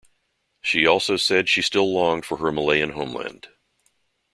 She also said she still longed for her Malayan homeland.